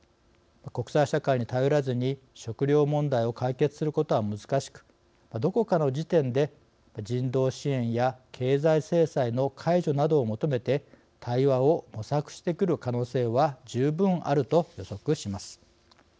国際社会に頼らずに食糧問題を解決することは難しくどこかの時点で人道支援や経済制裁の解除などを求めて対話を模索してくる可能性は十分あると予測します。